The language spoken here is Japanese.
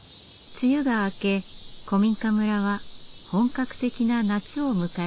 梅雨が明け古民家村は本格的な夏を迎えていました。